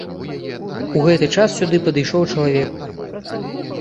У гэты час сюды падышоў чалавек.